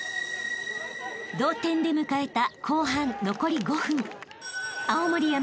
［同点で迎えた後半残り５分］